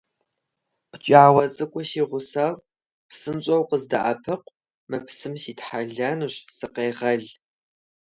ПкӀауэ цӀыкӀуу си гъусэфӀ, псынщӀэу къыздэӀэпыкъу, мы псым ситхьэлэнущ, сыкъегъэл!